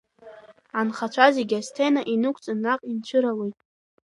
Анхацәа зегьы асцена инықәҵны наҟ инцәыралоит.